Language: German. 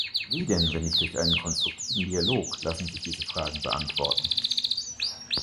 Wie denn, wenn nicht durch einen konstruktiven Dialog, lassen sich diese Fragen beantworten?